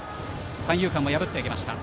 三遊間を破っていきました。